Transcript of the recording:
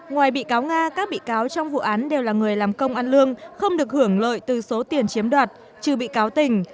ngoài bị cáo nga các bị cáo trong vụ án đều là người làm công ăn lương không được hưởng lợi từ số tiền chiếm đoạt trừ bị cáo tình